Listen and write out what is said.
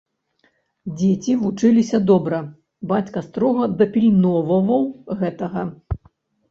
Дзеці вучыліся добра, бацька строга дапільноўваў гэтага.